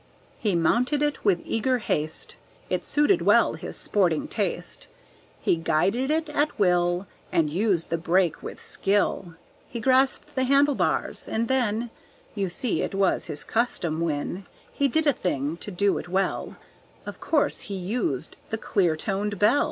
He mounted it with eager haste, It suited well his sporting taste; He guided it at will, And used the brake with skill, He grasped the handle bars, and then You see it was his custom when He did a thing, to do it well Of course he used the clear toned bell!